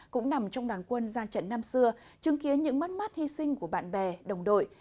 cũng nằm trong đàn quân gian trận năm xưa chứng kiến những mắt mắt hy sinh của bạn bè đồng đội